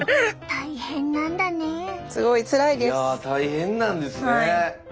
大変なんですね。